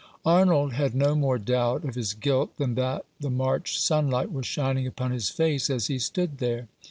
Arnold had no more doubt of his guilt than that the March sunlight was shining upon his face as he stood there.